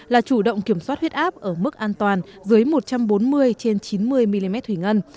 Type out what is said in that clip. là chủ động kiểm soát huyết áp ở mức an toàn dưới một trăm bốn mươi trên chín mươi mm thủy ngân